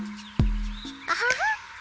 アハハ。